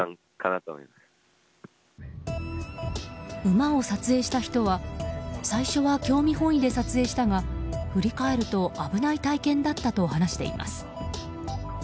馬を撮影した人は最初は興味本位で撮影したが振り返ると危ない体験だったと話しています。